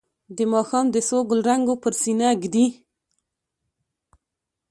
د ماښام د څو ګلرنګو پر سینه ږدي